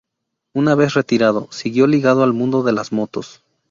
Una vez retirado siguió ligado al mundo de las motos.